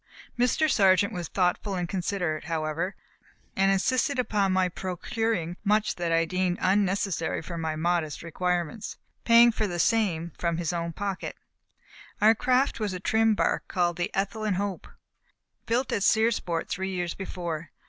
Mr. Sargent was thoughtful and considerate, however, and insisted upon my procuring much that I deemed unnecessary for my modest requirements, paying for the same from his own pocket. Our craft was a trim bark called the Ethelyn Hope, built at Searsport three years before.